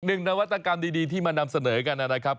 นวัตกรรมดีที่มานำเสนอกันนะครับ